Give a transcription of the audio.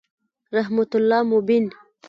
رحمت الله مبین